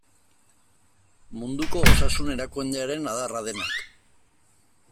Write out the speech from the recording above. Munduko Osasun Erakundearen adarra denak.